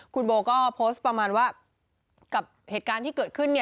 คุณโบก็โพสต์ประมาณว่ากับเหตุการณ์ที่เกิดขึ้น